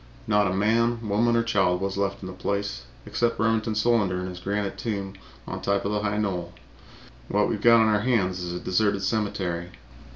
Not a man, woman or child was left in the place except Remington Solander in his granite tomb on top of the high knoll. What we've got on our hands is a deserted cemetery.